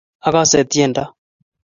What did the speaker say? Akase tyendo